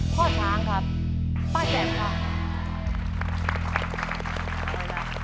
พ่อช้างครับป้าแจ๋มค่ะ